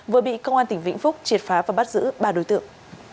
vừa bị công an tỉnh vĩnh phúc triệt phá và bắt giữ ba đối tượng